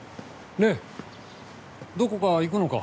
礼どこか行くのか？